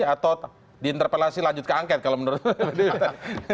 atau diinterpelasi lanjut ke angket kalau menurut anda